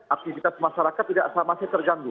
aktivitas masyarakat tidak sama sekali terganggu